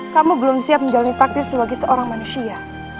kamu belum siap menjalani takdir sebagai seorang manusia